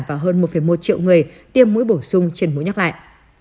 và hơn một một triệu người tiêm mũi bổ sung trên mũi nhắc lại